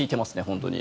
本当に。